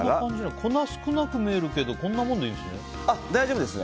粉、少なく見えるけどこんなもんでいいんですね。